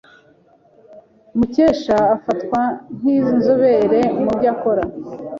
Mukesha afatwa nkinzobere mubyo akora.